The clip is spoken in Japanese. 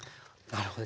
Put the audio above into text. なるほど。